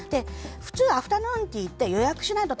普通、アフタヌーンティーって予約しないと